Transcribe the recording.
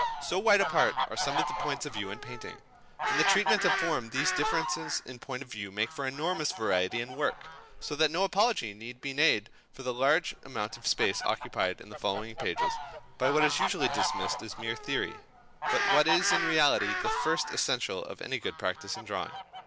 So wide apart are some of the points of view in painting. In the treatment of form these differences in point of view make for enormous variety in the work. So that no apology need be made for the large amount of space occupied in the following pages by what is usually dismissed as mere theory; but what is in reality the first essential of any good practice in drawing.